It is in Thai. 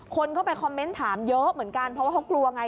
คนก็ไปคอมเมนต์ถามเยอะเหมือนกันเพราะว่าเขากลัวไง